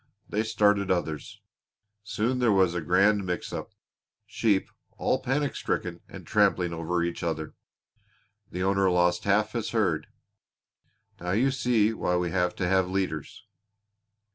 That started others. Soon there was a grand mix up sheep all panic stricken and tramping over each other. The owner lost half his herd. Now you see why we have to have leaders."